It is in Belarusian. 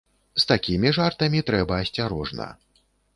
З такімі жартамі трэба асцярожна.